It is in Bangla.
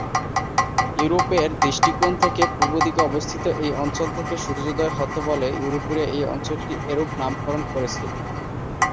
ইউরোপের দৃষ্টিকোণ থেকে পূর্বদিকে অবস্থিত এই অঞ্চল থেকে সূর্যোদয় হত বলে ইউরোপীয়রা এই অঞ্চলটির এরূপ নামকরণ করেছিল।